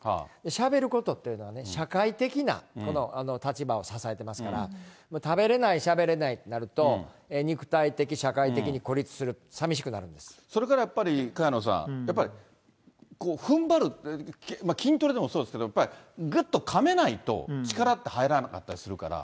しゃべることっていうのはね、社会的な立場を支えていますから、食べれない、しゃべれないってなると、肉体的、社会的に孤立する、それからやっぱり、萱野さん、やっぱりふんばる、筋トレでもそうですけれども、やっぱりぐっとかめないと力って入らなかったりするから。